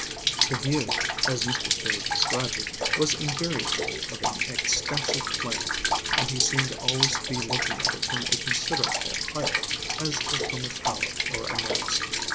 The view, as Mr. Cave described it, was invariably of an extensive plain, and he seemed always to be looking at it from a considerable height, as if from a tower or a mast.